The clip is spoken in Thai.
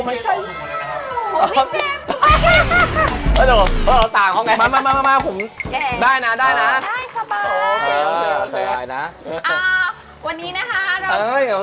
ไม่ต้องพูดว่าใครโดน